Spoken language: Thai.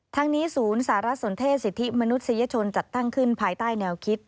ทั้งนี้ศูนย์สารสนเทศสิทธิมนุษยชนจัดตั้งขึ้นภายใต้แนวคิด